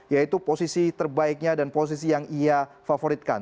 yaitu posisi terbaiknya dan posisi yang ia favoritkan